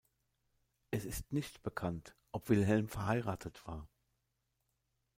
Es ist nicht bekannt, ob Wilhelm verheiratet war.